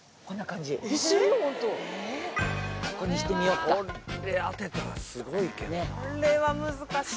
ここにしてみよっか。